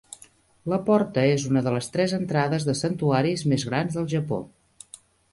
La porta és una de les tres entrades de santuaris més grans del Japó.